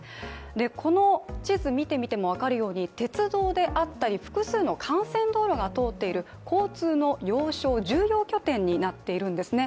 この地図見てみても分かるように鉄道であったり複数の幹線道路が通っている交通の要衝重要拠点になっているんですね。